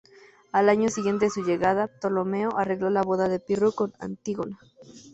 Al año siguiente de su llegada, Ptolomeo arregló la boda de Pirro con Antígona.